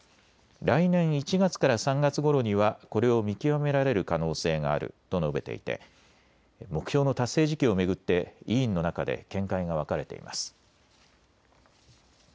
来年１月から３月ごろにはこれを見極められる可能性があると述べていて目標の達成時期を巡って委員の中で見解が分かれています。